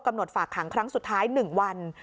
หดฝากขังครั้งสุดท้าย๑วัน